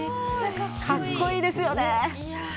かっこいいですよね。